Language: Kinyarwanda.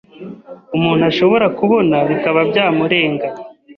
umuntu ashobora kubona bikaba byamurenga,